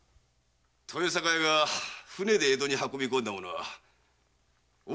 豊栄屋が船で江戸に運び込んだものは奥州梁川